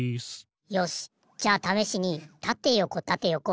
よしじゃあためしにたてよこたてよこ